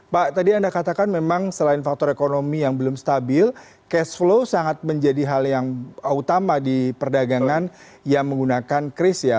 pak tadi anda katakan memang selain faktor ekonomi yang belum stabil cash flow sangat menjadi hal yang utama di perdagangan yang menggunakan kris ya